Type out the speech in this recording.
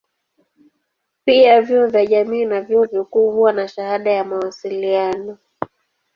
Pia vyuo vya jamii na vyuo vikuu huwa na shahada ya mawasiliano.